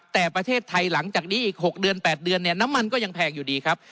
แต่ประเทศไทยหลังจากนี้อีก๖เดือน๘เดือนเนี่ยน้ำมันก็ยังแพงอยู่ดีครับ